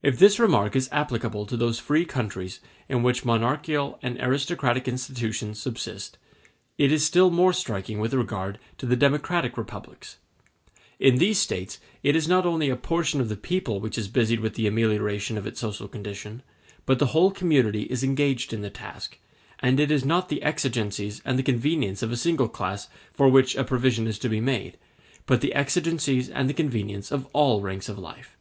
If this remark is applicable to those free countries in which monarchical and aristocratic institutions subsist, it is still more striking with regard to democratic republics. In these States it is not only a portion of the people which is busied with the amelioration of its social condition, but the whole community is engaged in the task; and it is not the exigencies and the convenience of a single class for which a provision is to be made, but the exigencies and the convenience of all ranks of life.